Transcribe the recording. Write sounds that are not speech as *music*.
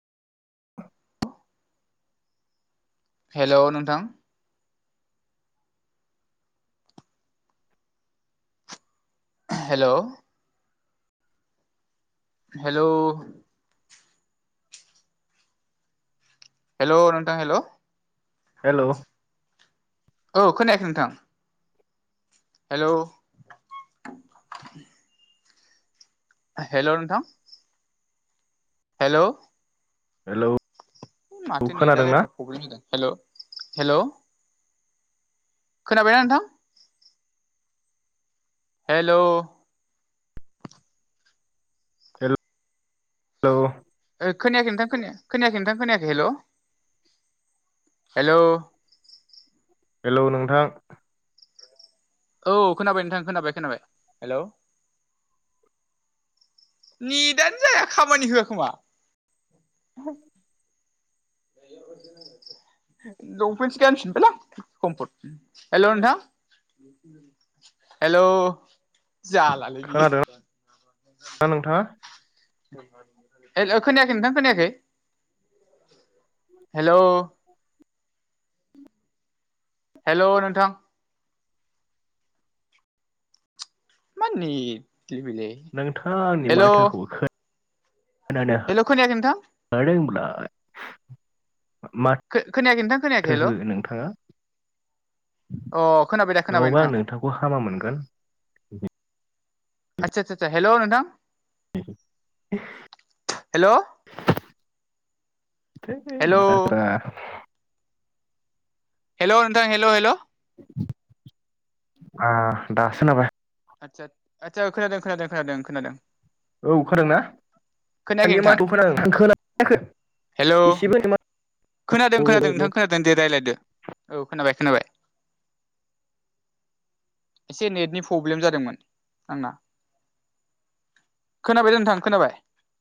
Hello नोंथां। Hello hello hello नोंथां hello hello औ खोनायाखै नोंथां। हेलौ ओ हेलौ नोंथां। हेलौ हेलौ माथो नेदआ लाय खोनादोंना एफा फ्रब्लेम जादों। हेल' हेलौ खोनाबायना नोंथां? हेल' हेलौ खोनायाखै नोंथां खो खोनायाखै नोंथां खोनायाखै हेल' हेल' हेलौ नोंथां। औ खोनाबाय नोंथां खोनाबाय खोनाबाय हेलौ नितानो जाया खामानि होयाखोमा? *inaudible* लंफेन्टसो गानफिनबायलां हेल' नोंथां। हेल' जालालै बियो दा नोंथाङा हेल खोनायाखै नोंथां खोनायाखै हेल' हेल' नोंथां मा नेतलै बिलाय नोंथाङा आंनि हेल' माथोखौ खोनादों हेलौ खोनायाखै नोंथां। माहाय दं होनबालाय? खोनायाखै नोंथां खोनायाखै हेल' थोहो अ नोंथाङा? खोनाबाय दा खोनाबाय नङाबा आं नोंथां नोंथांखौ हामा मोनगोन। आतसा आतसा हेल' नोंथां हेल' ओमफ्राय हेल' मा जादोंरा हेल' नोंथां हेल' हेल' आ दासो खोनाबाय आदसा आचसा खोनादों खोनादों खोनादों खोनादों औ खानादों ना? खोनायाखै दानि नोंथां माथोखौ खोनायाखै आं खोनायाखै हेल' एसेबो नामा? खोनादों खोनादों नोंथां खोनादों दे रायज्लायदो औ खोनाबाय खोनाबाय। एसे नेटनि प्रब्लेम जादोंमोन आंना खोनाबाय दा नोंथां खोनाबाय।